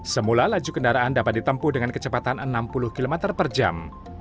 semula laju kendaraan dapat ditempuh dengan kecepatan enam puluh km per jam